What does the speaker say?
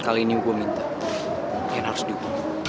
kali ini gue minta ian harus dukung